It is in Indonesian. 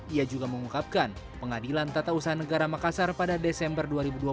ia juga mengungkapkan pengadilan tata usaha negara makassar pada desember dua ribu dua puluh